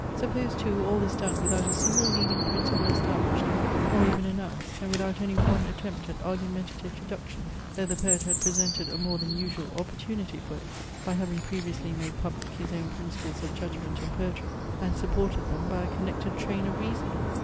Suppose too all this done without a single leading principle established or even announced, and without any one attempt at argumentative deduction, though the poet had presented a more than usual opportunity for it, by having previously made public his own principles of judgment in poetry, and supported them by a connected train of reasoning!